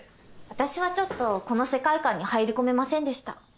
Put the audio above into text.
私はちょっとこの世界観に入り込めませんでした。